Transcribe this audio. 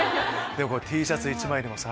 Ｔシャツ１枚でもさ。